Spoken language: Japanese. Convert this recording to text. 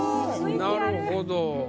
なるほど。